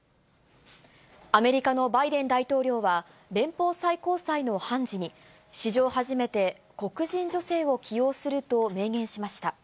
アメリカのバイデン大統領は、連邦最高裁の判事に、史上初めて黒人女性を起用すると明言しました。